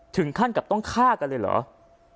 ถึงขั้นกับต้องฆ่ากันเลยเหรอ